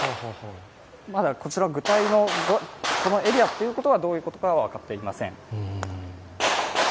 まだこちら、具体のこのエリアということは、どういうことかは分かっていません。